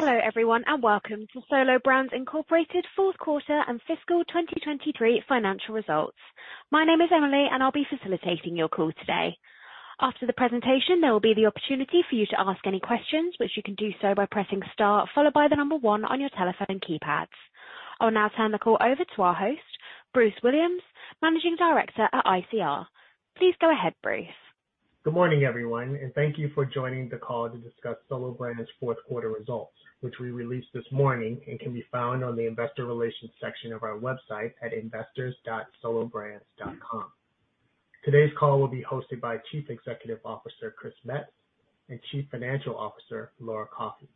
Hello everyone and welcome to Solo Brands Incorporated Fourth Quarter and Fiscal 2023 Financial Results. My name is Emily and I'll be facilitating your call today. After the presentation there will be the opportunity for you to ask any questions which you can do so by pressing star followed by the number one on your telephone keypads. I'll now turn the call over to our host, Bruce Williams, Managing Director at ICR. Please go ahead, Bruce. Good morning, everyone, and thank you for joining the call to discuss Solo Brands' fourth quarter results, which we released this morning and can be found on the investor relations section of our website at investors.solobrands.com. Today's call will be hosted by Chief Executive Officer Chris Metz and Chief Financial Officer Laura Coffey.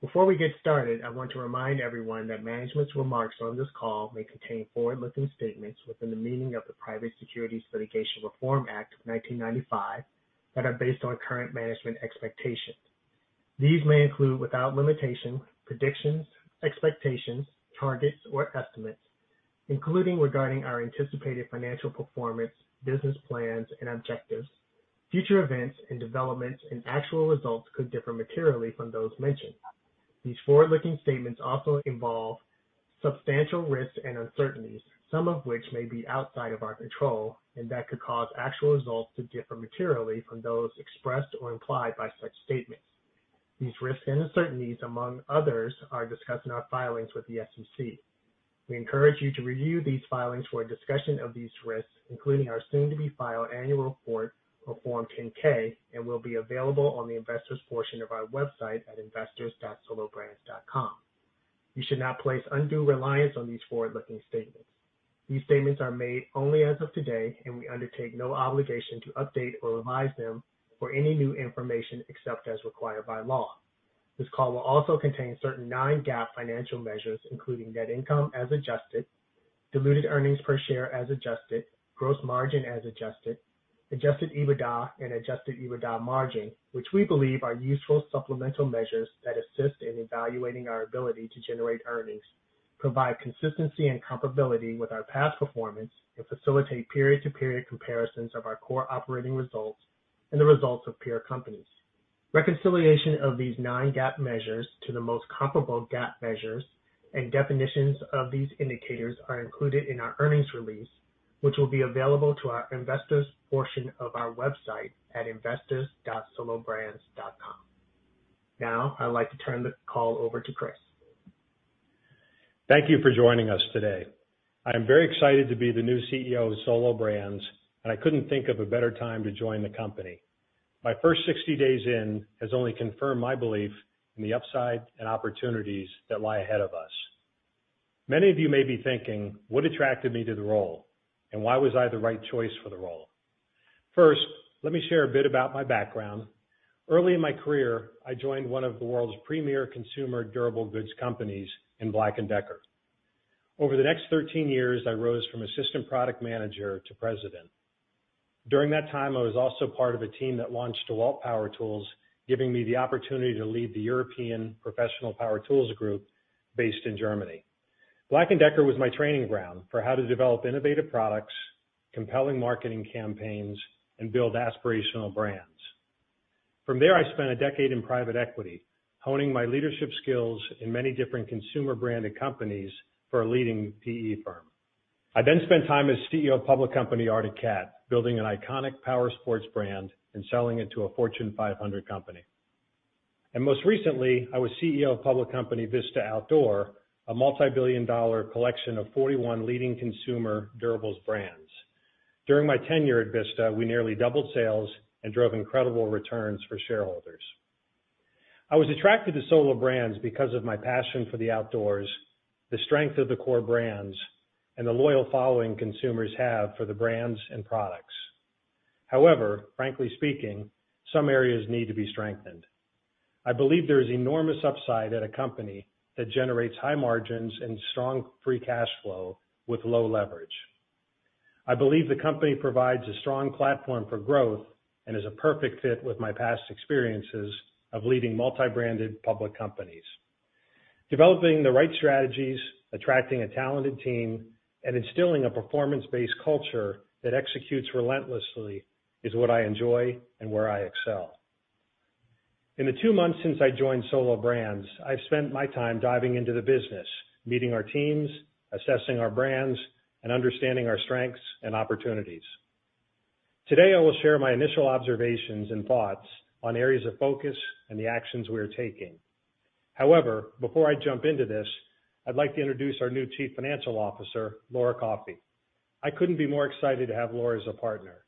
Before we get started, I want to remind everyone that management's remarks on this call may contain forward-looking statements within the meaning of the Private Securities Litigation Reform Act of 1995 that are based on current management expectations. These may include, without limitation, predictions, expectations, targets, or estimates, including regarding our anticipated financial performance, business plans, and objectives. Future events and developments and actual results could differ materially from those mentioned. These forward-looking statements also involve substantial risks and uncertainties, some of which may be outside of our control and that could cause actual results to differ materially from those expressed or implied by such statements. These risks and uncertainties, among others, are discussed in our filings with the SEC. We encourage you to review these filings for a discussion of these risks including our soon-to-be-filed annual report on Form 10-K, which will be available on the investors' portion of our website at investors.solobrands.com. You should not place undue reliance on these forward-looking statements. These statements are made only as of today and we undertake no obligation to update or revise them for any new information except as required by law. This call will also contain certain non-GAAP financial measures including net income as adjusted, diluted earnings per share as adjusted, gross margin as adjusted, adjusted EBITDA, and adjusted EBITDA margin which we believe are useful supplemental measures that assist in evaluating our ability to generate earnings, provide consistency and comparability with our past performance, and facilitate period-to-period comparisons of our core operating results and the results of peer companies. Reconciliation of these non-GAAP measures to the most comparable GAAP measures and definitions of these indicators are included in our earnings release which will be available to our investors' portion of our website at investors.solobrands.com. Now I'd like to turn the call over to Chris. Thank you for joining us today. I am very excited to be the new CEO of Solo Brands and I couldn't think of a better time to join the company. My first 60 days in has only confirmed my belief in the upside and opportunities that lie ahead of us. Many of you may be thinking, "What attracted me to the role and why was I the right choice for the role?" First, let me share a bit about my background. Early in my career I joined one of the world's premier consumer durable goods companies in Black & Decker. Over the next 13 years I rose from Assistant Product Manager to President. During that time I was also part of a team that launched DEWALT Power Tools giving me the opportunity to lead the European Professional Power Tools Group based in Germany. Black & Decker was my training ground for how to develop innovative products, compelling marketing campaigns, and build aspirational brands. From there I spent a decade in private equity honing my leadership skills in many different consumer branded companies for a leading PE firm. I then spent time as CEO of public company Arctic Cat building an iconic power sports brand and selling it to a Fortune 500 company. Most recently I was CEO of public company Vista Outdoor, a multi-billion-dollar collection of 41 leading consumer durables brands. During my tenure at Vista we nearly doubled sales and drove incredible returns for shareholders. I was attracted to Solo Brands because of my passion for the outdoors, the strength of the core brands, and the loyal following consumers have for the brands and products. However, frankly speaking, some areas need to be strengthened. I believe there is enormous upside at a company that generates high margins and strong free cash flow with low leverage. I believe the company provides a strong platform for growth and is a perfect fit with my past experiences of leading multi-branded public companies. Developing the right strategies, attracting a talented team, and instilling a performance-based culture that executes relentlessly is what I enjoy and where I excel. In the two months since I joined Solo Brands I've spent my time diving into the business, meeting our teams, assessing our brands, and understanding our strengths and opportunities. Today I will share my initial observations and thoughts on areas of focus and the actions we are taking. However, before I jump into this I'd like to introduce our new Chief Financial Officer, Laura Coffey. I couldn't be more excited to have Laura as a partner.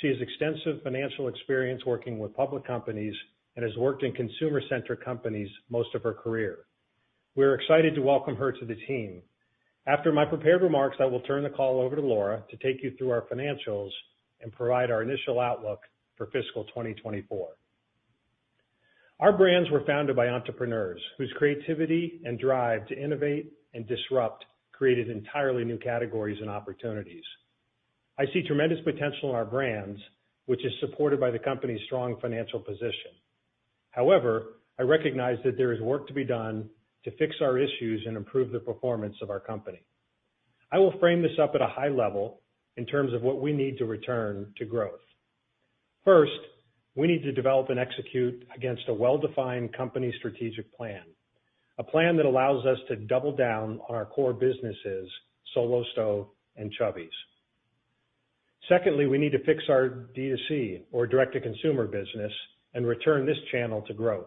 She has extensive financial experience working with public companies and has worked in consumer-centered companies most of her career. We are excited to welcome her to the team. After my prepared remarks I will turn the call over to Laura to take you through our financials and provide our initial outlook for fiscal 2024. Our brands were founded by entrepreneurs whose creativity and drive to innovate and disrupt created entirely new categories and opportunities. I see tremendous potential in our brands which is supported by the company's strong financial position. However, I recognize that there is work to be done to fix our issues and improve the performance of our company. I will frame this up at a high level in terms of what we need to return to growth. First, we need to develop and execute against a well-defined company strategic plan, a plan that allows us to double down on our core businesses, Solo Stove and Chubbies. Secondly, we need to fix our D2C or direct-to-consumer business and return this channel to growth.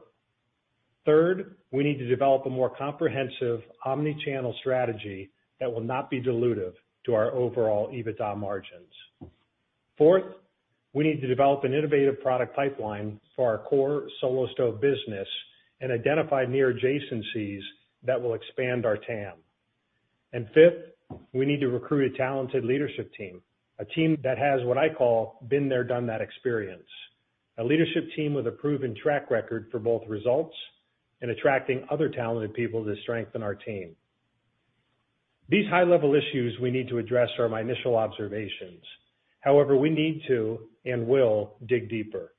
Third, we need to develop a more comprehensive omnichannel strategy that will not be dilutive to our overall EBITDA margins. Fourth, we need to develop an innovative product pipeline for our core Solo Stove business and identify near adjacencies that will expand our TAM. And fifth, we need to recruit a talented leadership team, a team that has what I call been there, done that experience, a leadership team with a proven track record for both results and attracting other talented people to strengthen our team. These high-level issues we need to address are my initial observations. However, we need to and will dig deeper.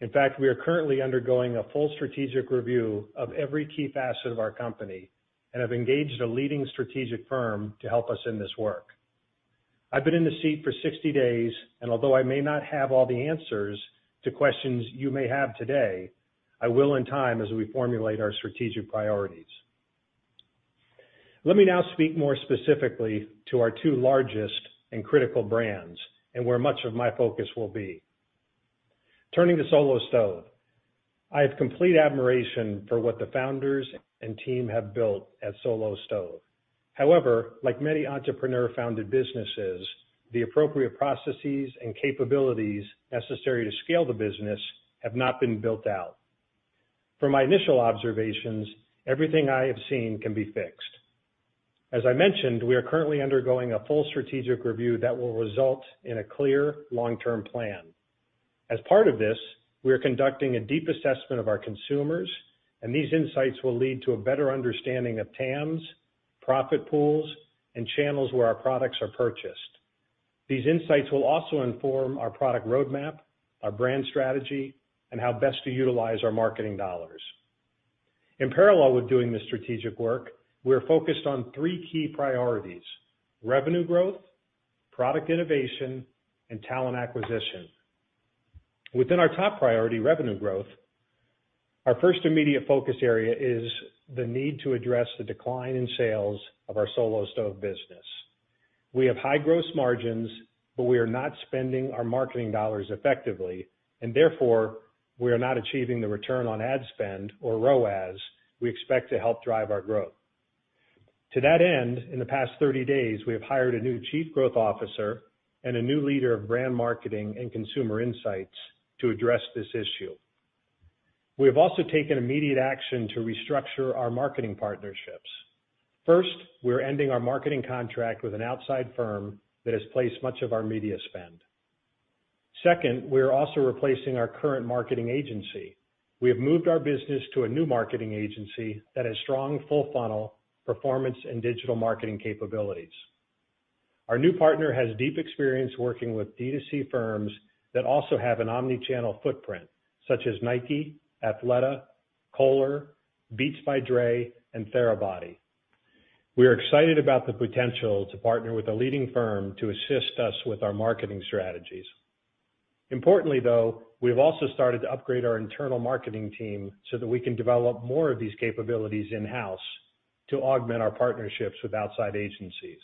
In fact, we are currently undergoing a full strategic review of every key facet of our company and have engaged a leading strategic firm to help us in this work. I've been in the seat for 60 days, and although I may not have all the answers to questions you may have today, I will in time as we formulate our strategic priorities. Let me now speak more specifically to our two largest and critical brands and where much of my focus will be. Turning to Solo Stove, I have complete admiration for what the founders and team have built at Solo Stove. However, like many entrepreneur-founded businesses, the appropriate processes and capabilities necessary to scale the business have not been built out. From my initial observations, everything I have seen can be fixed. As I mentioned, we are currently undergoing a full strategic review that will result in a clear long-term plan. As part of this, we are conducting a deep assessment of our consumers, and these insights will lead to a better understanding of TAMs, profit pools, and channels where our products are purchased. These insights will also inform our product roadmap, our brand strategy, and how best to utilize our marketing dollars. In parallel with doing this strategic work, we are focused on three key priorities: revenue growth, product innovation, and talent acquisition. Within our top priority, revenue growth, our first immediate focus area is the need to address the decline in sales of our Solo Stove business. We have high gross margins but we are not spending our marketing dollars effectively and therefore we are not achieving the return on ad spend or ROAS we expect to help drive our growth. To that end in the past 30 days we have hired a new Chief Growth Officer and a new Leader of Brand Marketing and Consumer Insights to address this issue. We have also taken immediate action to restructure our marketing partnerships. First, we are ending our marketing contract with an outside firm that has placed much of our media spend. Second, we are also replacing our current marketing agency. We have moved our business to a new marketing agency that has strong full-funnel performance and digital marketing capabilities. Our new partner has deep experience working with D2C firms that also have an omnichannel footprint such as Nike, Athleta, Kohler, Beats by Dre, and Therabody. We are excited about the potential to partner with a leading firm to assist us with our marketing strategies. Importantly though we have also started to upgrade our internal marketing team so that we can develop more of these capabilities in-house to augment our partnerships with outside agencies.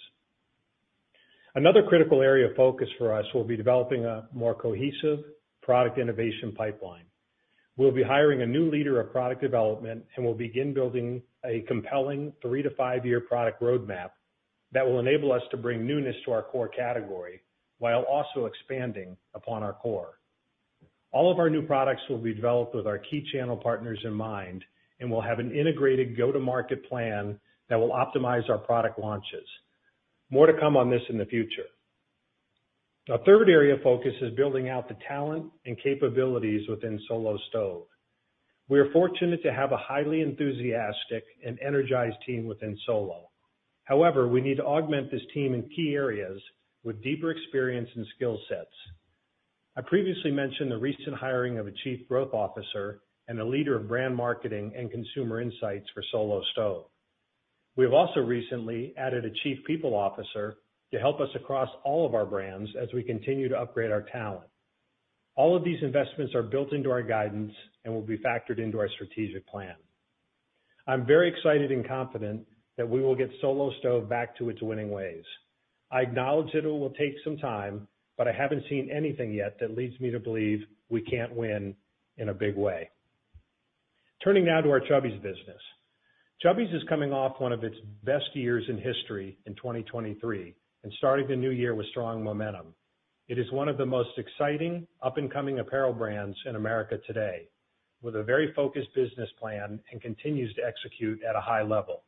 Another critical area of focus for us will be developing a more cohesive product innovation pipeline. We will be hiring a new Leader of Product Development and will begin building a compelling three to five-year product roadmap that will enable us to bring newness to our core category while also expanding upon our core. All of our new products will be developed with our key channel partners in mind and will have an integrated go-to-market plan that will optimize our product launches. More to come on this in the future. A third area of focus is building out the talent and capabilities within Solo Stove. We are fortunate to have a highly enthusiastic and energized team within Solo. However, we need to augment this team in key areas with deeper experience and skill sets. I previously mentioned the recent hiring of a Chief Growth Officer and a Leader of Brand Marketing and Consumer Insights for Solo Stove. We have also recently added a Chief People Officer to help us across all of our brands as we continue to upgrade our talent. All of these investments are built into our guidance and will be factored into our strategic plan. I'm very excited and confident that we will get Solo Stove back to its winning ways. I acknowledge that it will take some time but I haven't seen anything yet that leads me to believe we can't win in a big way. Turning now to our Chubbies business. Chubbies is coming off one of its best years in history in 2023 and starting the new year with strong momentum. It is one of the most exciting up-and-coming apparel brands in America today with a very focused business plan and continues to execute at a high level.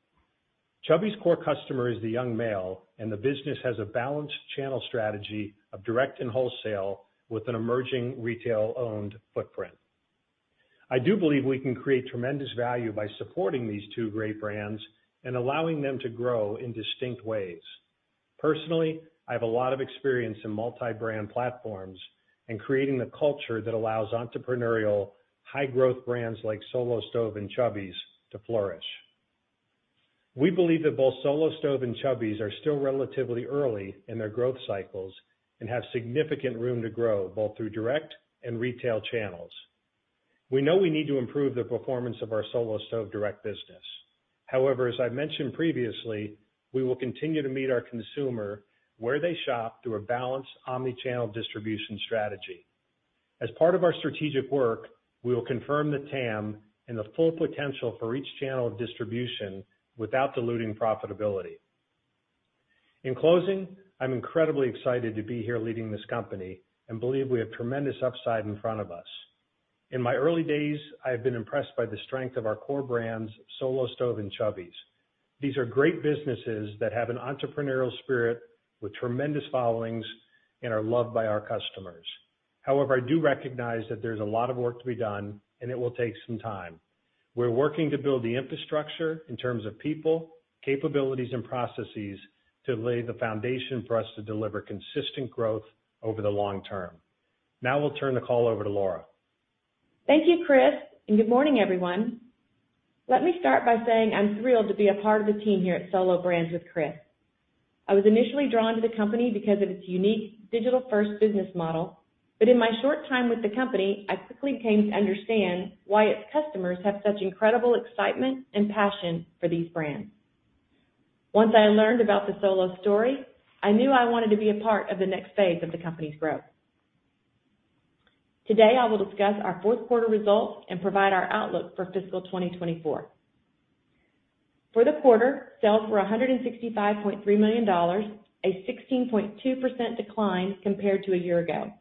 Chubbies core customer is the young male and the business has a balanced channel strategy of direct and wholesale with an emerging retail-owned footprint. I do believe we can create tremendous value by supporting these two great brands and allowing them to grow in distinct ways. Personally, I have a lot of experience in multi-brand platforms and creating the culture that allows entrepreneurial, high-growth brands like Solo Stove and Chubbies to flourish. We believe that both Solo Stove and Chubbies are still relatively early in their growth cycles and have significant room to grow both through direct and retail channels. We know we need to improve the performance of our Solo Stove direct business. However, as I mentioned previously we will continue to meet our consumer where they shop through a balanced omnichannel distribution strategy. As part of our strategic work we will confirm the TAM and the full potential for each channel of distribution without diluting profitability. In closing, I'm incredibly excited to be here leading this company and believe we have tremendous upside in front of us. In my early days I have been impressed by the strength of our core brands, Solo Stove and Chubbies. These are great businesses that have an entrepreneurial spirit with tremendous followings and are loved by our customers. However, I do recognize that there is a lot of work to be done and it will take some time. We are working to build the infrastructure in terms of people, capabilities, and processes to lay the foundation for us to deliver consistent growth over the long term. Now we'll turn the call over to Laura. Thank you, Chris, and good morning everyone. Let me start by saying I'm thrilled to be a part of the team here at Solo Brands with Chris. I was initially drawn to the company because of its unique digital-first business model but in my short time with the company I quickly came to understand why its customers have such incredible excitement and passion for these brands. Once I learned about the Solo story I knew I wanted to be a part of the next phase of the company's growth. Today I will discuss our fourth quarter results and provide our outlook for fiscal 2024. For the quarter, sales were $165.3 million, a 16.2% decline compared to a year ago.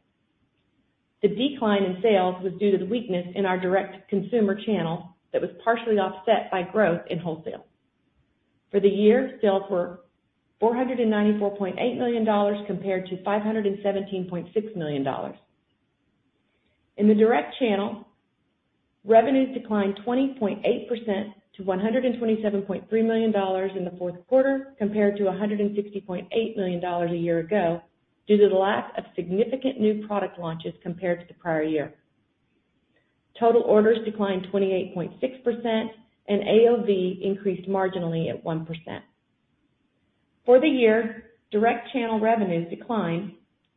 The decline in sales was due to the weakness in our direct consumer channel that was partially offset by growth in wholesale. For the year, sales were $494.8 million compared to $517.6 million. In the direct channel, revenues declined 20.8% to $127.3 million in the fourth quarter compared to $160.8 million a year ago due to the lack of significant new product launches compared to the prior year. Total orders declined 28.6% and AOV increased marginally at 1%. For the year, direct channel revenues declined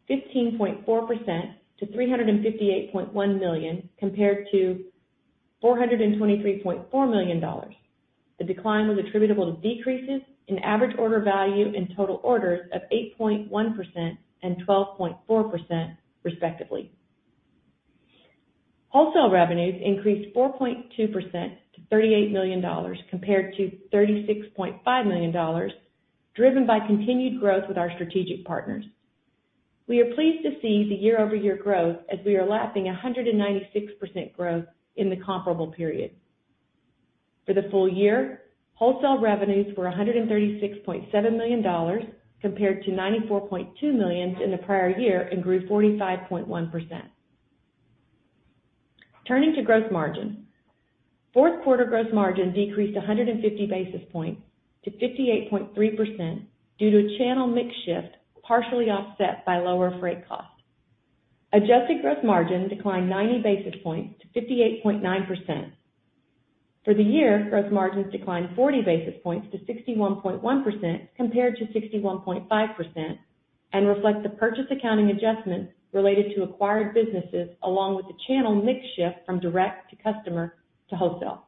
15.4% to $358.1 million compared to $423.4 million. The decline was attributable to decreases in average order value and total orders of 8.1% and 12.4% respectively. Wholesale revenues increased 4.2% to $38 million compared to $36.5 million driven by continued growth with our strategic partners. We are pleased to see the year-over-year growth as we are lapping 196% growth in the comparable period. For the full year, wholesale revenues were $136.7 million compared to $94.2 million in the prior year and grew 45.1%. Turning to gross margin, fourth quarter gross margin decreased 150 basis points to 58.3% due to a channel mix shift partially offset by lower freight cost. Adjusted gross margin declined 90 basis points to 58.9%. For the year, gross margins declined 40 basis points to 61.1% compared to 61.5% and reflect the purchase accounting adjustments related to acquired businesses along with the channel mix shift from direct-to-consumer to wholesale.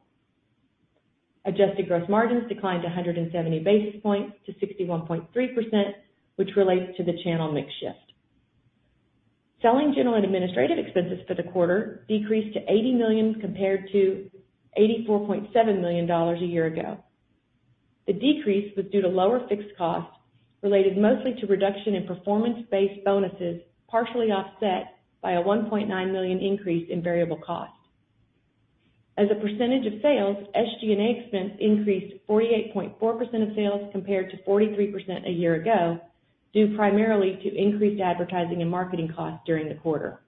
Adjusted gross margins declined 170 basis points to 61.3% which relates to the channel mix shift. Selling, general, and administrative expenses for the quarter decreased to $80 million compared to $84.7 million a year ago. The decrease was due to lower fixed costs related mostly to reduction in performance-based bonuses partially offset by a $1.9 million increase in variable cost. As a percentage of sales, SG&A expense increased 48.4% of sales compared to 43% a year ago due primarily to increased advertising and marketing costs during the quarter.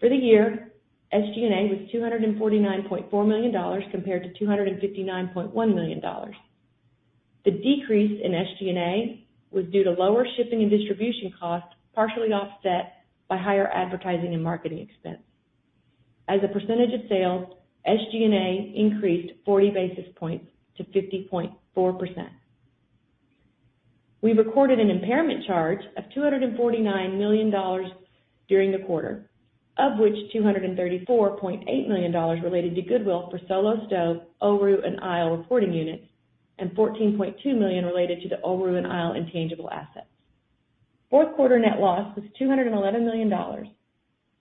For the year, SG&A was $249.4 million compared to $259.1 million. The decrease in SG&A was due to lower shipping and distribution costs partially offset by higher advertising and marketing expense. As a percentage of sales, SG&A increased 40 basis points to 50.4%. We recorded an impairment charge of $249 million during the quarter, of which $234.8 million related to goodwill for Solo Stove, Oru, and Isle reporting units and $14.2 million related to the Oru and Isle intangible assets. Fourth quarter net loss was $211 million.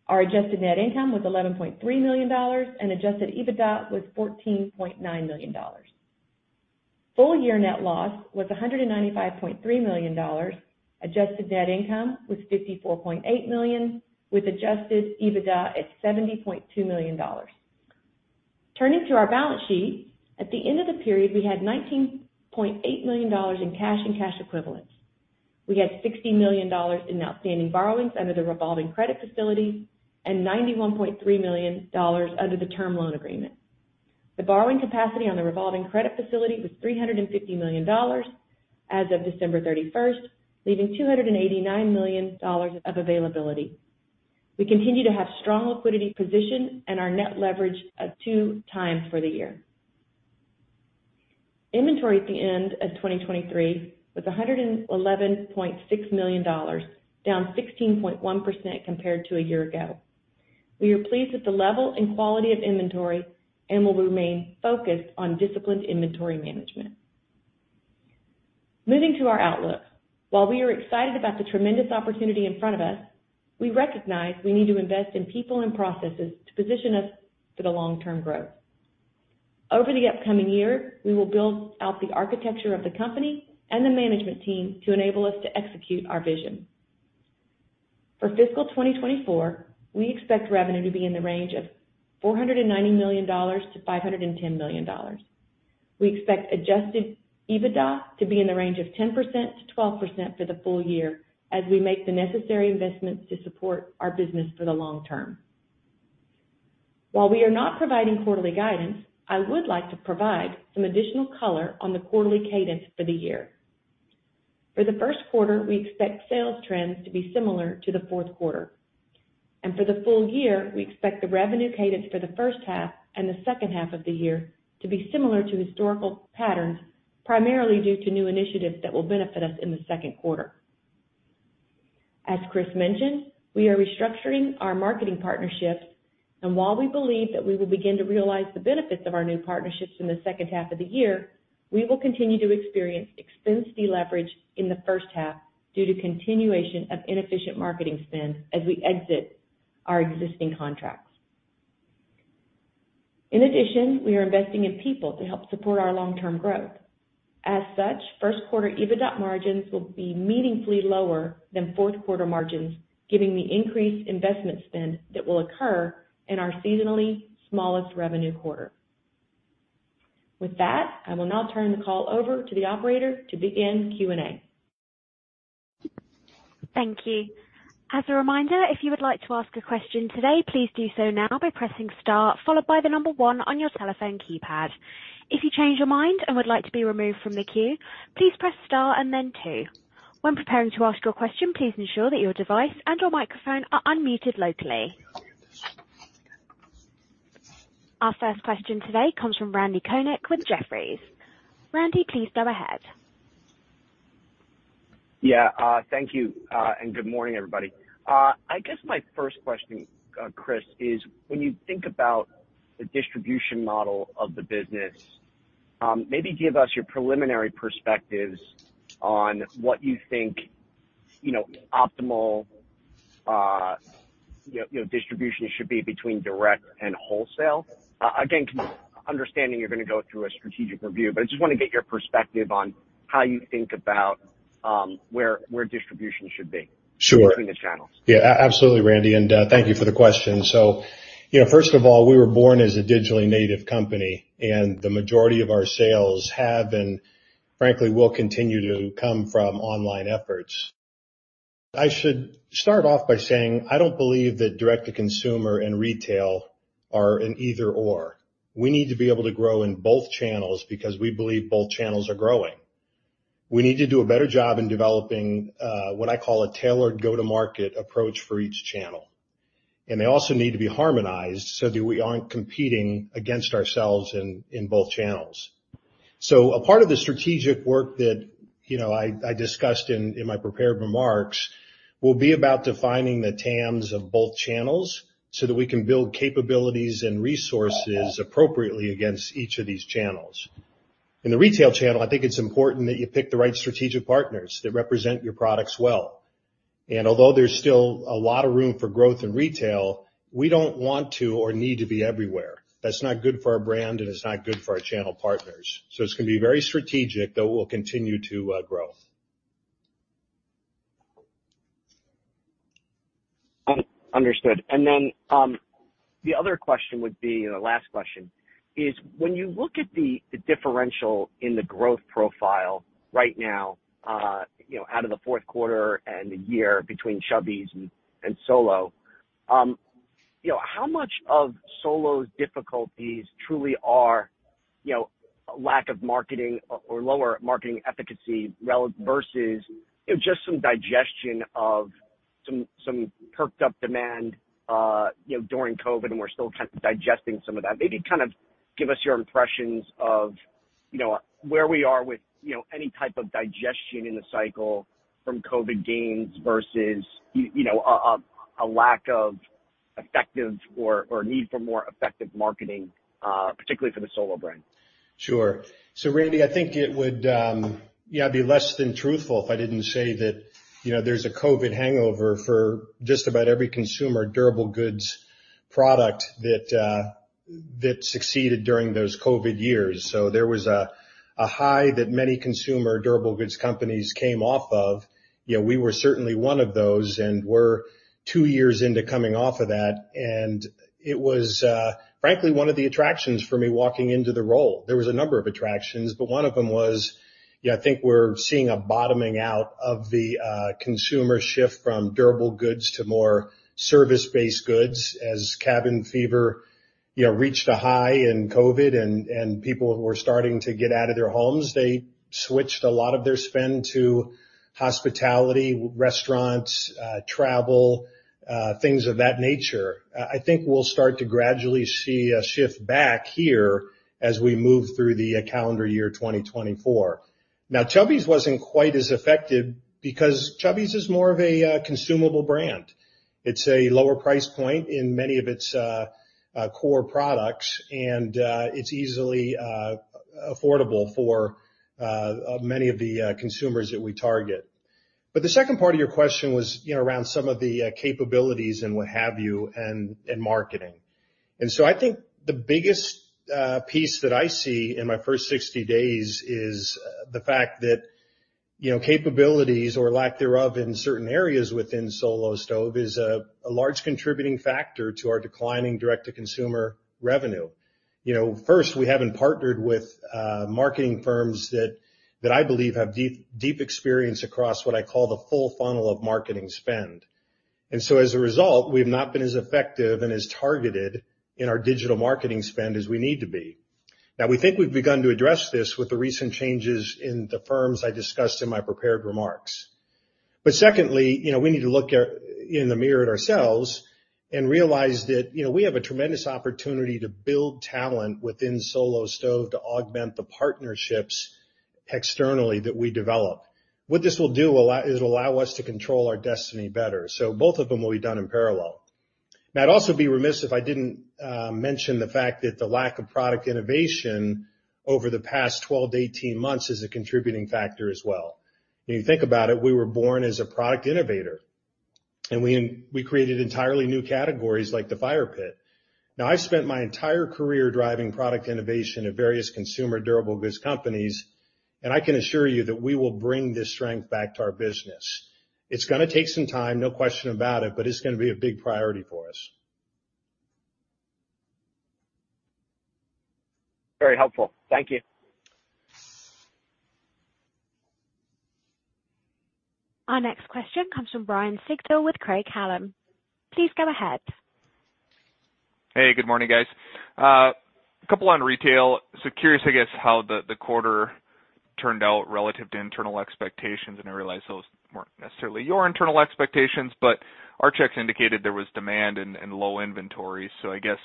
Our adjusted net income was $11.3 million and Adjusted EBITDA was $14.9 million. Full year net loss was $195.3 million. Adjusted net income was $54.8 million with Adjusted EBITDA at $70.2 million. Turning to our balance sheet, at the end of the period we had $19.8 million in cash and cash equivalents. We had $60 million in outstanding borrowings under the revolving credit facility and $91.3 million under the term loan agreement. The borrowing capacity on the revolving credit facility was $350 million as of December 31st, leaving $289 million of availability. We continue to have strong liquidity position and our net leverage of 2x for the year. Inventory at the end of 2023 was $111.6 million down 16.1% compared to a year ago. We are pleased with the level and quality of inventory and will remain focused on disciplined inventory management. Moving to our outlook, while we are excited about the tremendous opportunity in front of us, we recognize we need to invest in people and processes to position us for the long-term growth. Over the upcoming year we will build out the architecture of the company and the management team to enable us to execute our vision. For fiscal 2024, we expect revenue to be in the range of $490 million-$510 million. We expect adjusted EBITDA to be in the range of 10%-12% for the full year as we make the necessary investments to support our business for the long term. While we are not providing quarterly guidance, I would like to provide some additional color on the quarterly cadence for the year. For the first quarter we expect sales trends to be similar to the fourth quarter and for the full year we expect the revenue cadence for the first half and the second half of the year to be similar to historical patterns primarily due to new initiatives that will benefit us in the second quarter. As Chris mentioned, we are restructuring our marketing partnerships and while we believe that we will begin to realize the benefits of our new partnerships in the second half of the year, we will continue to experience expense deleverage in the first half due to continuation of inefficient marketing spend as we exit our existing contracts. In addition, we are investing in people to help support our long-term growth. As such, first quarter EBITDA margins will be meaningfully lower than fourth quarter margins given the increased investment spend that will occur in our seasonally smallest revenue quarter. With that, I will now turn the call over to the operator to begin Q&A. Thank you. As a reminder, if you would like to ask a question today please do so now by pressing star followed by the number one on your telephone keypad. If you change your mind and would like to be removed from the queue please press star and then two. When preparing to ask your question please ensure that your device and/or microphone are unmuted locally. Our first question today comes from Randy Konik with Jefferies. Randy, please go ahead. Yeah, thank you and good morning everybody. I guess my first question, Chris, is when you think about the distribution model of the business maybe give us your preliminary perspectives on what you think optimal distribution should be between direct and wholesale? Again, understanding you're going to go through a strategic review but I just want to get your perspective on how you think about where distribution should be between the channels. Sure. Yeah, absolutely, Randy, and thank you for the question. So first of all, we were born as a digitally native company and the majority of our sales have and frankly will continue to come from online efforts. I should start off by saying I don't believe that direct to consumer and retail are an either/or. We need to be able to grow in both channels because we believe both channels are growing. We need to do a better job in developing what I call a tailored go-to-market approach for each channel and they also need to be harmonized so that we aren't competing against ourselves in both channels. So a part of the strategic work that I discussed in my prepared remarks will be about defining the TAMs of both channels so that we can build capabilities and resources appropriately against each of these channels. In the retail channel, I think it's important that you pick the right strategic partners that represent your products well, and although there's still a lot of room for growth in retail, we don't want to or need to be everywhere. That's not good for our brand, and it's not good for our channel partners. So it's going to be very strategic, though it will continue to grow. Understood. And then the other question would be the last question is when you look at the differential in the growth profile right now out of the fourth quarter and the year between Chubbies and Solo, how much of Solo's difficulties truly are lack of marketing or lower marketing efficacy versus just some digestion of some perked-up demand during COVID and we're still kind of digesting some of that? Maybe kind of give us your impressions of where we are with any type of digestion in the cycle from COVID gains versus a lack of effective or need for more effective marketing particularly for the Solo brand. Sure. So Randy, I think it would be less than truthful if I didn't say that there's a COVID hangover for just about every consumer durable goods product that succeeded during those COVID years. So there was a high that many consumer durable goods companies came off of. We were certainly one of those and we're two years into coming off of that and it was frankly one of the attractions for me walking into the role. There was a number of attractions but one of them was I think we're seeing a bottoming out of the consumer shift from durable goods to more service-based goods as cabin fever reached a high in COVID and people were starting to get out of their homes. They switched a lot of their spend to hospitality, restaurants, travel, things of that nature. I think we'll start to gradually see a shift back here as we move through the calendar year 2024. Now Chubbies wasn't quite as effective because Chubbies is more of a consumable brand. It's a lower price point in many of its core products and it's easily affordable for many of the consumers that we target. The second part of your question was around some of the capabilities and what have you and marketing. So I think the biggest piece that I see in my first 60 days is the fact that capabilities or lack thereof in certain areas within Solo Stove is a large contributing factor to our declining direct-to-consumer revenue. First, we haven't partnered with marketing firms that I believe have deep experience across what I call the full funnel of marketing spend. And so as a result, we have not been as effective and as targeted in our digital marketing spend as we need to be. Now we think we've begun to address this with the recent changes in the firms I discussed in my prepared remarks. But secondly, we need to look in the mirror at ourselves and realize that we have a tremendous opportunity to build talent within Solo Stove to augment the partnerships externally that we develop. What this will do is it'll allow us to control our destiny better. So both of them will be done in parallel. Now I'd also be remiss if I didn't mention the fact that the lack of product innovation over the past 12, 18 months is a contributing factor as well. When you think about it, we were born as a product innovator and we created entirely new categories like the fire pit. Now I've spent my entire career driving product innovation at various consumer durable goods companies and I can assure you that we will bring this strength back to our business. It's going to take some time, no question about it, but it's going to be a big priority for us. Very helpful. Thank you. Our next question comes from Ryan Sigdahl with Craig-Hallum. Please go ahead. Hey, good morning guys. A couple on retail. So curious I guess how the quarter turned out relative to internal expectations and I realize those weren't necessarily your internal expectations but our checks indicated there was demand and low inventory so I guess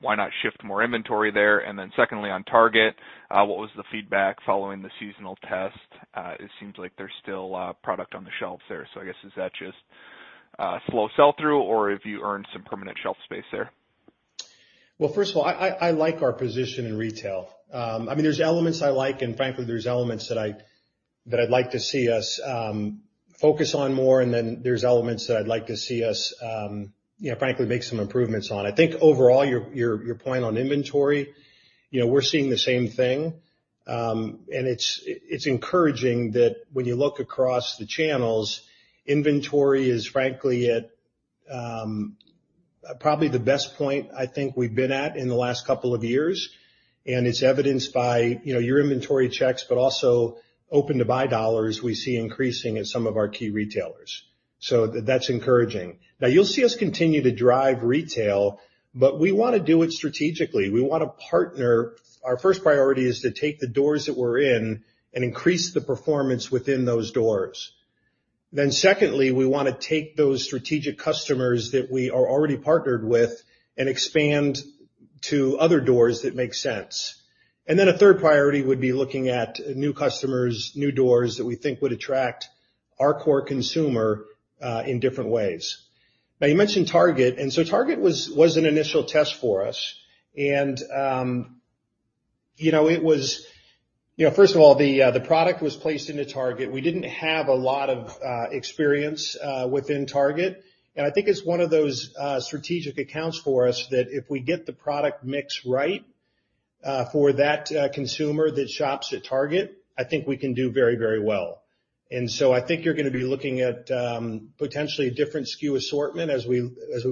why not shift more inventory there? And then secondly on Target, what was the feedback following the seasonal test? It seems like there's still product on the shelves there so I guess is that just slow sell-through or have you earned some permanent shelf space there? Well, first of all, I like our position in retail. I mean, there's elements I like and frankly there's elements that I'd like to see us focus on more and then there's elements that I'd like to see us frankly make some improvements on. I think overall your point on inventory, we're seeing the same thing and it's encouraging that when you look across the channels, inventory is frankly at probably the best point I think we've been at in the last couple of years and it's evidenced by your inventory checks but also open-to-buy dollars we see increasing at some of our key retailers. So that's encouraging. Now you'll see us continue to drive retail but we want to do it strategically. We want to partner. Our first priority is to take the doors that we're in and increase the performance within those doors. Then secondly, we want to take those strategic customers that we are already partnered with and expand to other doors that make sense. And then a third priority would be looking at new customers, new doors that we think would attract our core consumer in different ways. Now you mentioned Target and so Target was an initial test for us and it was first of all, the product was placed into Target. We didn't have a lot of experience within Target and I think it's one of those strategic accounts for us that if we get the product mix right for that consumer that shops at Target, I think we can do very, very well. And so I think you're going to be looking at potentially a different SKU assortment as we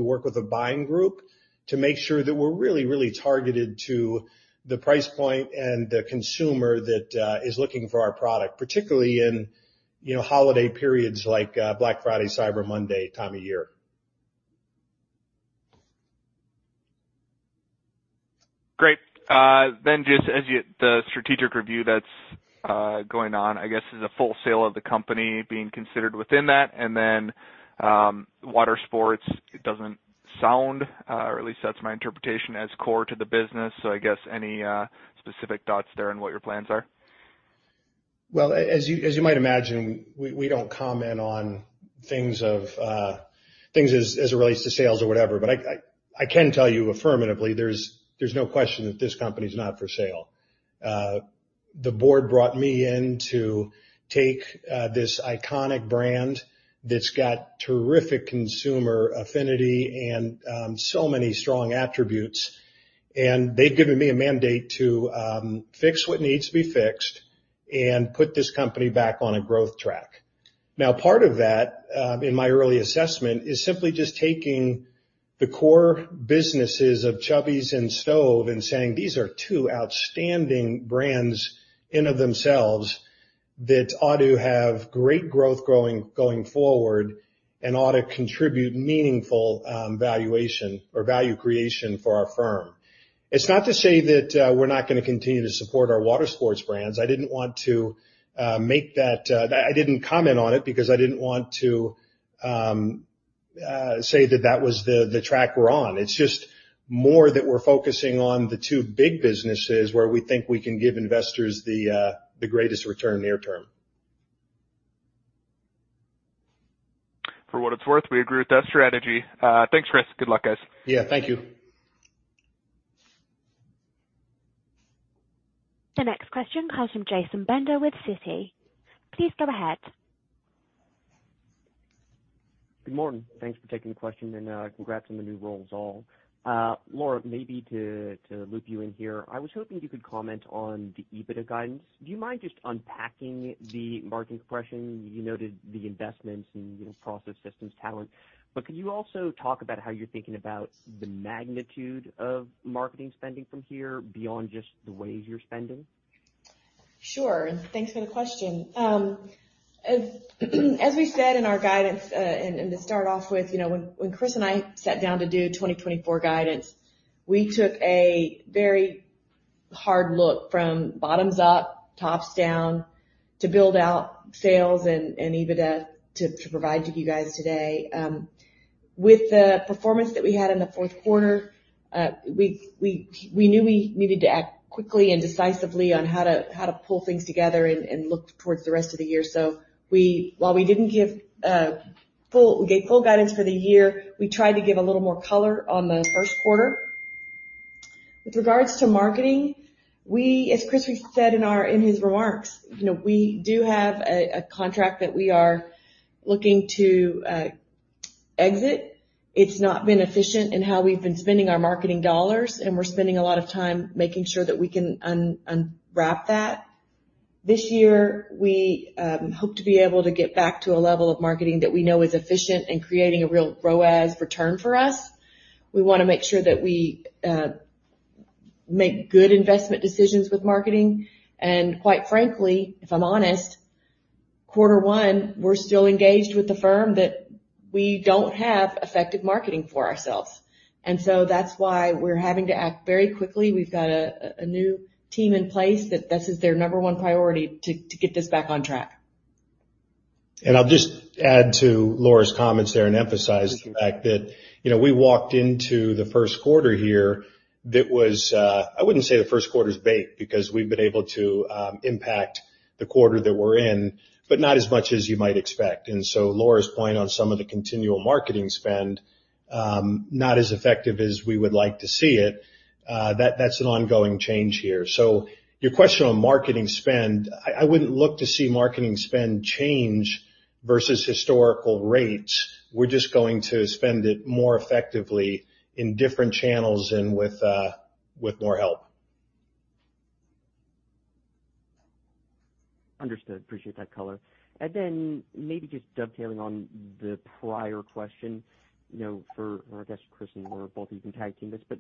work with a buying group to make sure that we're really, really targeted to the price point and the consumer that is looking for our product particularly in holiday periods like Black Friday, Cyber Monday time of year. Great. Then, just as the strategic review that's going on, I guess, is a full sale of the company being considered within that, and then water sports—it doesn't sound, or at least that's my interpretation, as core to the business. So I guess any specific thoughts there on what your plans are? Well, as you might imagine, we don't comment on things as it relates to sales or whatever, but I can tell you affirmatively there's no question that this company's not for sale. The board brought me in to take this iconic brand that's got terrific consumer affinity and so many strong attributes, and they've given me a mandate to fix what needs to be fixed and put this company back on a growth track. Now part of that in my early assessment is simply just taking the core businesses of Chubbies and Stove and saying these are two outstanding brands in and of themselves that ought to have great growth going forward and ought to contribute meaningful valuation or value creation for our firm. It's not to say that we're not going to continue to support our water sports brands. I didn't want to make that. I didn't comment on it because I didn't want to say that that was the track we're on. It's just more that we're focusing on the two big businesses where we think we can give investors the greatest return near term. For what it's worth, we agree with that strategy. Thanks, Chris. Good luck, guys. Yeah, thank you. The next question comes from Chasen Bender with Citi. Please go ahead. Good morning. Thanks for taking the question and congrats on the new roles all. Laura, maybe to loop you in here, I was hoping you could comment on the EBITDA guidance. Do you mind just unpacking the marketing compression? You noted the investments and process systems talent but could you also talk about how you're thinking about the magnitude of marketing spending from here beyond just the ways you're spending? Sure. Thanks for the question. As we said in our guidance and to start off with, when Chris and I sat down to do 2024 guidance, we took a very hard look from bottoms up, tops down to build out sales and EBITDA to provide to you guys today. With the performance that we had in the fourth quarter, we knew we needed to act quickly and decisively on how to pull things together and look towards the rest of the year. So while we gave full guidance for the year, we tried to give a little more color on the first quarter. With regards to marketing, as Chris said in his remarks, we do have a contract that we are looking to exit. It's not been efficient in how we've been spending our marketing dollars and we're spending a lot of time making sure that we can unwrap that. This year, we hope to be able to get back to a level of marketing that we know is efficient and creating a real ROAS return for us. We want to make sure that we make good investment decisions with marketing and quite frankly, if I'm honest, quarter one, we're still engaged with the firm that we don't have effective marketing for ourselves. And so that's why we're having to act very quickly. We've got a new team in place that this is their number one priority to get this back on track. And I'll just add to Laura's comments there and emphasize the fact that we walked into the first quarter here that was. I wouldn't say the first quarter's bad because we've been able to impact the quarter that we're in but not as much as you might expect. And so Laura's point on some of the continual marketing spend, not as effective as we would like to see it, that's an ongoing change here. So your question on marketing spend, I wouldn't look to see marketing spend change versus historical rates. We're just going to spend it more effectively in different channels and with more help. Understood. Appreciate that color. And then maybe just dovetailing on the prior question for I guess Chris and we're both even tag teaming this but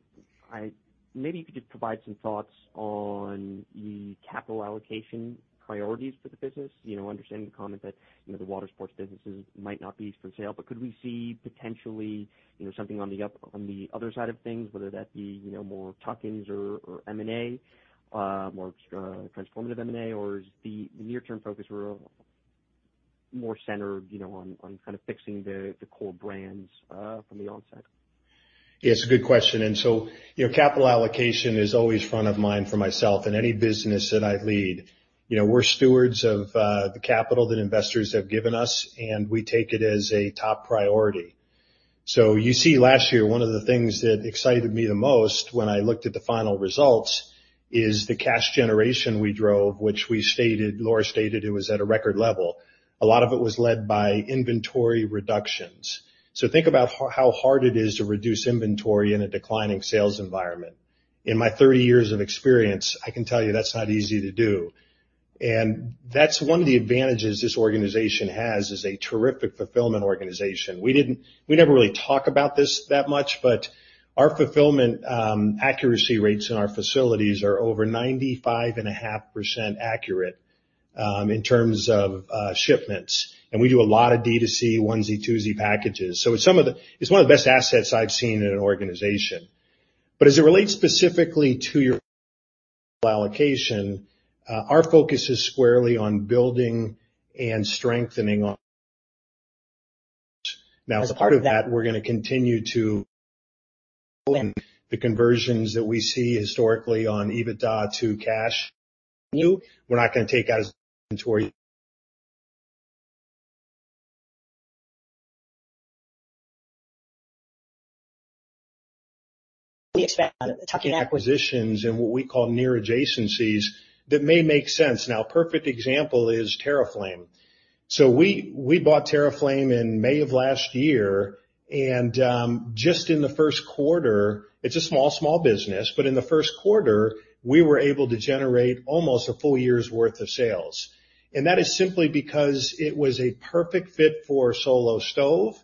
maybe you could just provide some thoughts on the capital allocation priorities for the business. Understanding the comment that the water sports businesses might not be for sale but could we see potentially something on the other side of things whether that be more tuck-ins or M&A or transformative M&A or is the near-term focus more centered on kind of fixing the core brands from the onset? Yeah, it's a good question. And so capital allocation is always front of mind for myself and any business that I lead. We're stewards of the capital that investors have given us and we take it as a top priority. So you see last year, one of the things that excited me the most when I looked at the final results is the cash generation we drove which we stated Laura stated it was at a record level. A lot of it was led by inventory reductions. So think about how hard it is to reduce inventory in a declining sales environment. In my 30 years of experience, I can tell you that's not easy to do. And that's one of the advantages this organization has is a terrific fulfillment organization. We never really talk about this that much, but our fulfillment accuracy rates in our facilities are over 95.5% accurate in terms of shipments, and we do a lot of D2C, 1Z, 2Z packages. So it's one of the best assets I've seen in an organization. But as it relates specifically to your allocation, our focus is squarely on building and strengthening on. Now, as part of that, we're going to continue to the conversions that we see historically on EBITDA to cash flow. We're not going to take out as much inventory. We expect on the tuck-in acquisitions. Acquisitions and what we call near adjacencies that may make sense. Now a perfect example is TerraFlame. So we bought TerraFlame in May of last year and just in the first quarter it's a small, small business but in the first quarter, we were able to generate almost a full year's worth of sales. And that is simply because it was a perfect fit for Solo Stove.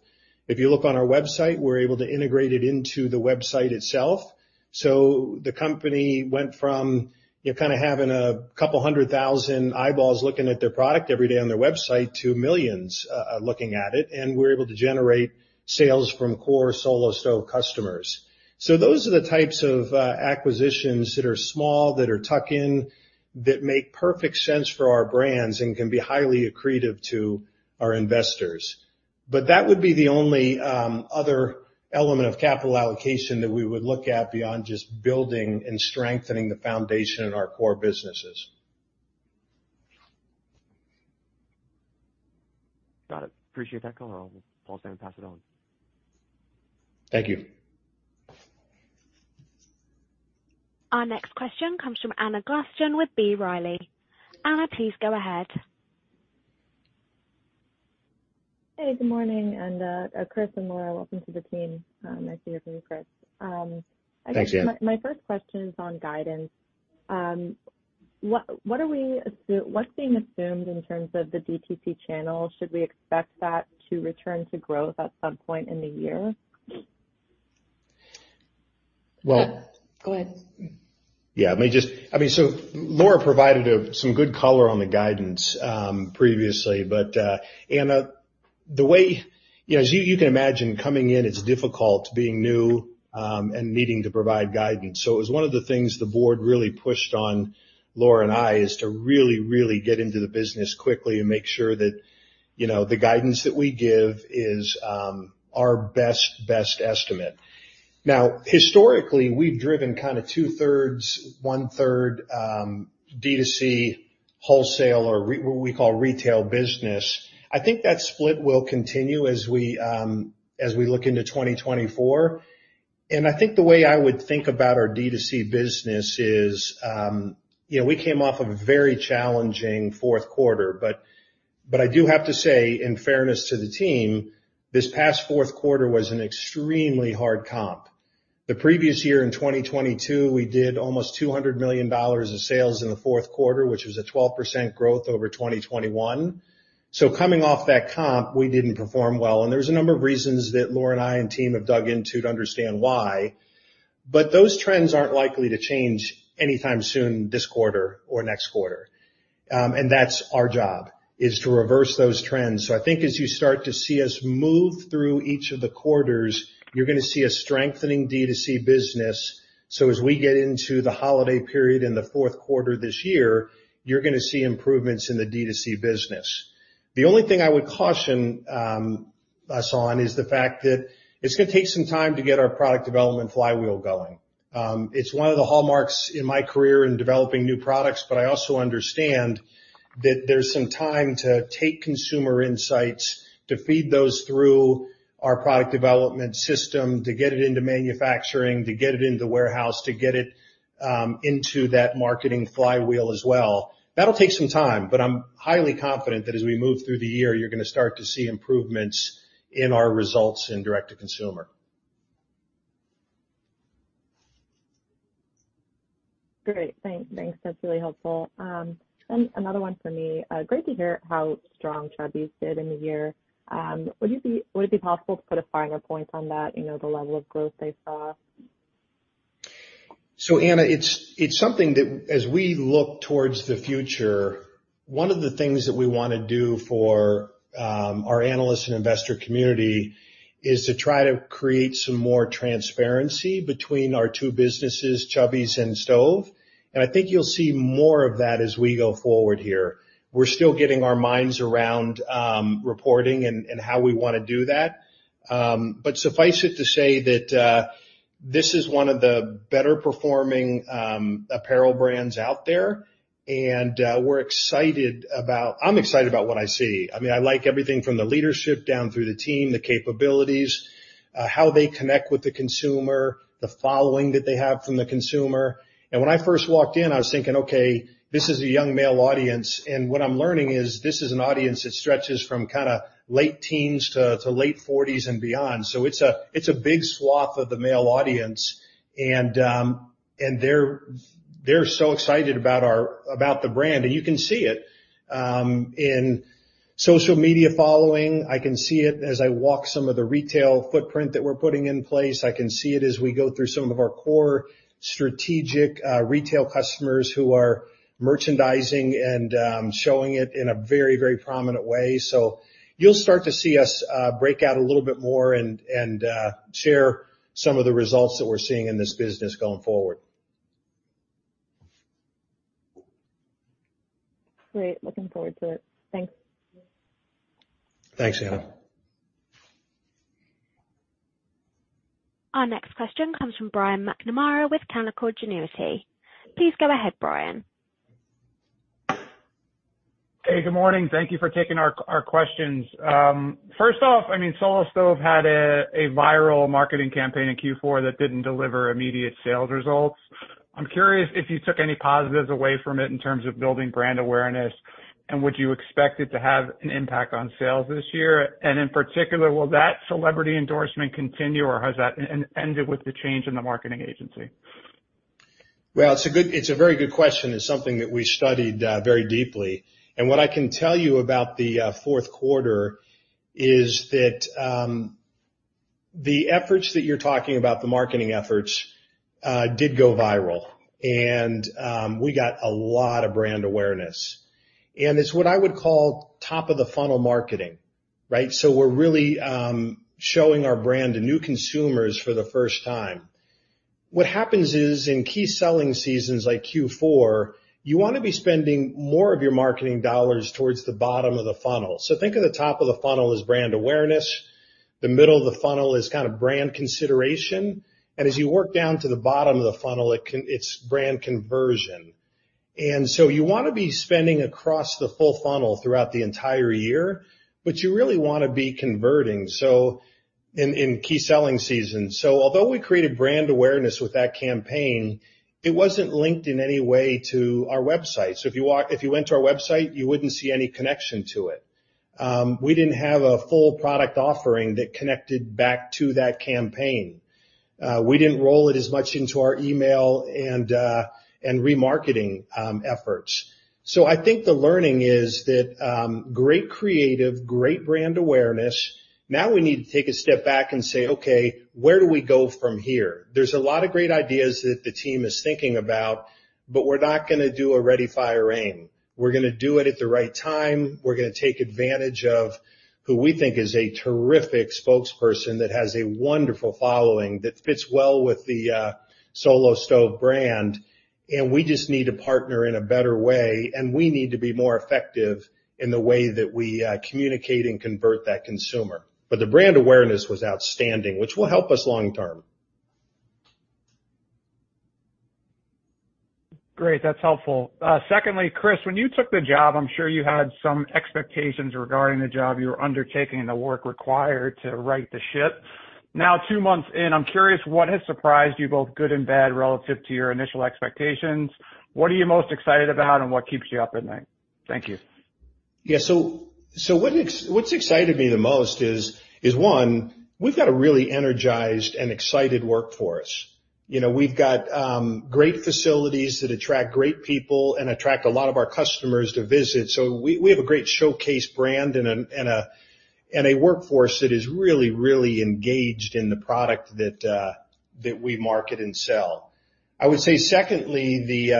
If you look on our website, we're able to integrate it into the website itself. So the company went from kind of having 200,000 eyeballs looking at their product every day on their website to millions looking at it and we're able to generate sales from core Solo Stove customers. So those are the types of acquisitions that are small, that are tuck-in, that make perfect sense for our brands and can be highly accretive to our investors. But that would be the only other element of capital allocation that we would look at beyond just building and strengthening the foundation in our core businesses. Got it. Appreciate that color. I'll pause there and pass it on. Thank you. Our next question comes from Anna Glaessgen with B. Riley. Anna, please go ahead. Hey, good morning. Chris and Laura, welcome to the team. Nice to hear from you, Chris. Thanks, Ann. My first question is on guidance. What what's being assumed in terms of the DTC channel? Should we expect that to return to growth at some point in the year? Well. Go ahead. Yeah, I mean, just—I mean, so Laura provided some good color on the guidance previously, but Anna, the way—as you can imagine—coming in, it's difficult being new and needing to provide guidance. So it was one of the things the board really pushed on Laura and I is to really, really get into the business quickly and make sure that the guidance that we give is our best, best estimate. Now historically, we've driven kind of two-thirds, one-third D2C wholesale or what we call retail business. I think that split will continue as we look into 2024. And I think the way I would think about our D2C business is we came off of a very challenging fourth quarter, but I do have to say in fairness to the team, this past fourth quarter was an extremely hard comp. The previous year in 2022, we did almost $200 million of sales in the fourth quarter, which was a 12% growth over 2021. So coming off that comp, we didn't perform well and there's a number of reasons that Laura and I and team have dug into to understand why. But those trends aren't likely to change anytime soon this quarter or next quarter. And that's our job is to reverse those trends. So I think as you start to see us move through each of the quarters, you're going to see a strengthening D2C business. So as we get into the holiday period in the fourth quarter this year, you're going to see improvements in the D2C business. The only thing I would caution us on is the fact that it's going to take some time to get our product development flywheel going. It's one of the hallmarks in my career in developing new products, but I also understand that there's some time to take consumer insights, to feed those through our product development system, to get it into manufacturing, to get it into warehouse, to get it into that marketing flywheel as well. That'll take some time, but I'm highly confident that as we move through the year, you're going to start to see improvements in our results in direct to consumer. Great. Thanks. That's really helpful. Another one for me, great to hear how strong Chubbies did in the year. Would it be possible to put a finer point on that, the level of growth they saw? So, Anna, it's something that as we look towards the future, one of the things that we want to do for our analyst and investor community is to try to create some more transparency between our two businesses, Chubbies and Stove. I think you'll see more of that as we go forward here. We're still getting our minds around reporting and how we want to do that. Suffice it to say that this is one of the better performing apparel brands out there and we're excited about. I'm excited about what I see. I mean, I like everything from the leadership down through the team, the capabilities, how they connect with the consumer, the following that they have from the consumer. When I first walked in, I was thinking, "Okay, this is a young male audience." What I'm learning is this is an audience that stretches from kind of late teens to late 40s and beyond. It's a big swath of the male audience and they're so excited about the brand and you can see it in social media following. I can see it as I walk some of the retail footprint that we're putting in place. I can see it as we go through some of our core strategic retail customers who are merchandising and showing it in a very, very prominent way. You'll start to see us break out a little bit more and share some of the results that we're seeing in this business going forward. Great. Looking forward to it. Thanks. Thanks, Anna. Our next question comes from Brian McNamara with Canaccord Genuity. Please go ahead, Brian. Hey, good morning. Thank you for taking our questions. First off, I mean Solo Stove had a viral marketing campaign in Q4 that didn't deliver immediate sales results. I'm curious if you took any positives away from it in terms of building brand awareness and would you expect it to have an impact on sales this year? And in particular, will that celebrity endorsement continue or has that ended with the change in the marketing agency? Well, it's a very good question. It's something that we studied very deeply. And what I can tell you about the fourth quarter is that the efforts that you're talking about, the marketing efforts, did go viral and we got a lot of brand awareness. And it's what I would call top of the funnel marketing, right? So we're really showing our brand to new consumers for the first time. What happens is in key selling seasons like Q4, you want to be spending more of your marketing dollars towards the bottom of the funnel. So think of the top of the funnel as brand awareness. The middle of the funnel is kind of brand consideration. And as you work down to the bottom of the funnel, it's brand conversion. And so you want to be spending across the full funnel throughout the entire year but you really want to be converting in key selling seasons. So although we created brand awareness with that campaign, it wasn't linked in any way to our website. So if you went to our website, you wouldn't see any connection to it. We didn't have a full product offering that connected back to that campaign. We didn't roll it as much into our email and remarketing efforts. So I think the learning is that great creative, great brand awareness. Now we need to take a step back and say, "Okay, where do we go from here?" There's a lot of great ideas that the team is thinking about but we're not going to do a ready fire aim. We're going to do it at the right time. We're going to take advantage of who we think is a terrific spokesperson that has a wonderful following that fits well with the Solo Stove brand. And we just need to partner in a better way and we need to be more effective in the way that we communicate and convert that consumer. But the brand awareness was outstanding, which will help us long term. Great. That's helpful. Secondly, Chris, when you took the job, I'm sure you had some expectations regarding the job you were undertaking and the work required to right the ship. Now two months in, I'm curious what has surprised you, both good and bad, relative to your initial expectations. What are you most excited about and what keeps you up at night? Thank you. Yeah, so what's excited me the most is, one, we've got a really energized and excited workforce. We've got great facilities that attract great people and attract a lot of our customers to visit. So we have a great showcase brand and a workforce that is really, really engaged in the product that we market and sell. I would say secondly,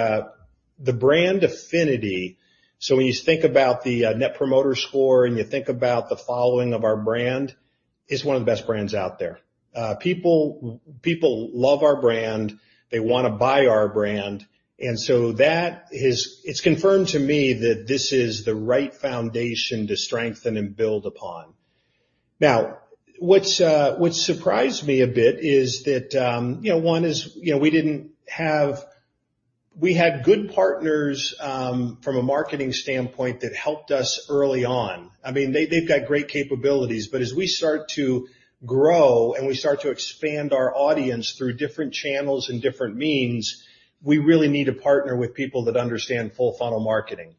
the brand affinity. So when you think about the Net Promoter Score and you think about the following of our brand, it's one of the best brands out there. People love our brand. They want to buy our brand. And so that has, it's confirmed to me that this is the right foundation to strengthen and build upon. Now what's surprised me a bit is that, one, is we had good partners from a marketing standpoint that helped us early on. I mean they've got great capabilities but as we start to grow and we start to expand our audience through different channels and different means, we really need to partner with people that understand full funnel marketing.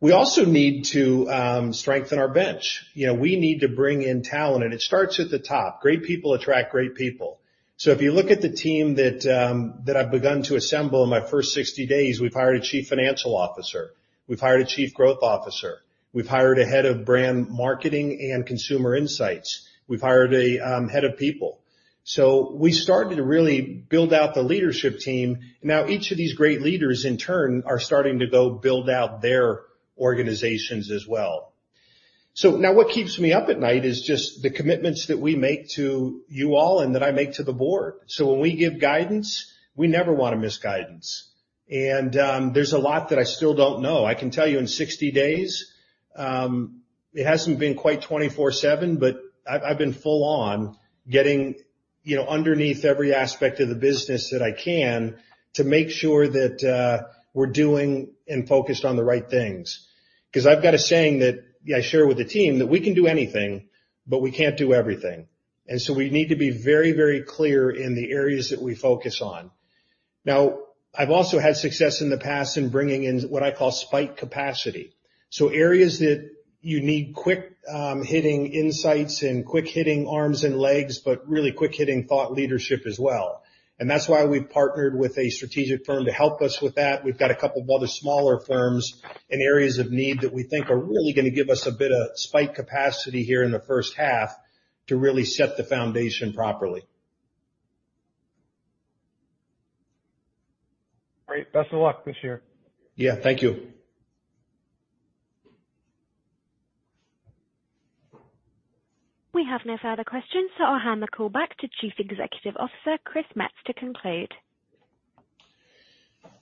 We also need to strengthen our bench. We need to bring in talent and it starts at the top. Great people attract great people. So if you look at the team that I've begun to assemble in my first 60 days, we've hired a Chief Financial Officer. We've hired a Chief Growth Officer. We've hired a Head of Brand Marketing and Consumer Insights. We've hired a Head of People. So we started to really build out the leadership team. Now each of these great leaders, in turn, are starting to go build out their organizations as well. So now what keeps me up at night is just the commitments that we make to you all and that I make to the board. So when we give guidance, we never want to miss guidance. And there's a lot that I still don't know. I can tell you in 60 days, it hasn't been quite 24/7 but I've been full on getting underneath every aspect of the business that I can to make sure that we're doing and focused on the right things. Because I've got a saying that I share with the team that we can do anything but we can't do everything. And so we need to be very, very clear in the areas that we focus on. Now I've also had success in the past in bringing in what I call spike capacity. So areas that you need quick-hitting insights and quick-hitting arms and legs but really quick-hitting thought leadership as well. That's why we've partnered with a strategic firm to help us with that. We've got a couple of other smaller firms in areas of need that we think are really going to give us a bit of spike capacity here in the first half to really set the foundation properly. Great. Best of luck this year. Yeah, thank you. We have no further questions so I'll hand the call back to Chief Executive Officer Chris Metz to conclude.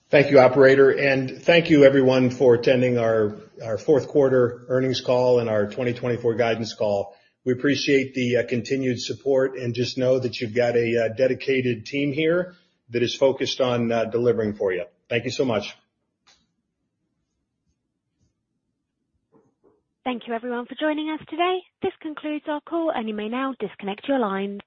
Thank you, operator. Thank you, everyone, for attending our fourth quarter earnings call and our 2024 guidance call. We appreciate the continued support and just know that you've got a dedicated team here that is focused on delivering for you. Thank you so much. Thank you, everyone, for joining us today. This concludes our call and you may now disconnect your line.